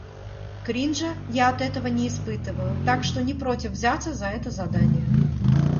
Кринжа я от этого не испытываю, так что не против взяться за это задание.